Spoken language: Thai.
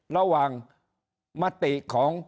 ระหว่างมติของ